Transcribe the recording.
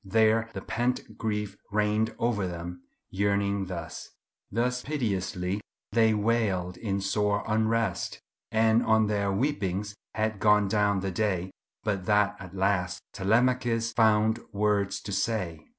There the pent grief rained o'er them, yearning thus. Thus piteously they wailed in sore unrest, And on their weepings had gone down the day, But that at last Telemachus found words to say."